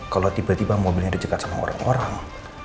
kalau tiba tiba mobilnya dicekat sama orang orang